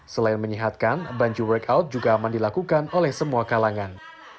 selain menyehatkan bungee workout juga aman dilakukan oleh semua kalangan